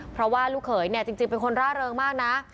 เพราะว่าลูกเขยเนี่ยจริงเป็นคนร่าเริงมากนะ